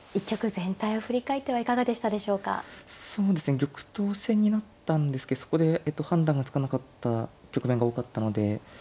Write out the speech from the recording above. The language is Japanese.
玉頭戦になったんですけどそこで判断がつかなかった局面が多かったので。